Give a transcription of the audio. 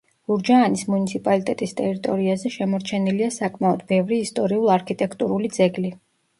გურჯაანის მუნიციპალიტეტის ტერიტორიაზე შემორჩენილია საკმაოდ ბევრი ისტორიულ არქიტექტურული ძეგლი.